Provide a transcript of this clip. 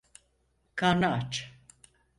Karnı aç.